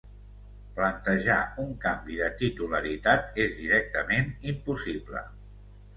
plantejar un canvi de titularitat és directament impossible